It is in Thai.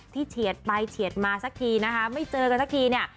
เฉียดไปเฉียดมาสักทีนะคะไม่เจอกันสักทีเนี่ย